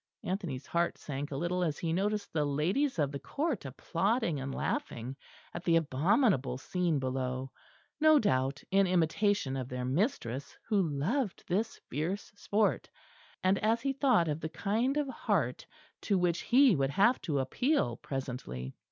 Anthony's heart sank a little as he noticed the ladies of the Court applauding and laughing at the abominable scene below, no doubt in imitation of their mistress who loved this fierce sport; and as he thought of the kind of heart to which he would have to appeal presently.